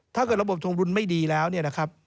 ระบบทงดุลไม่ดีแล้วเนี่ยนะครับ